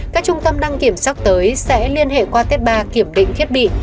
các trung tâm đăng kiểm sắp tới sẽ liên hệ qua tết ba kiểm định thiết bị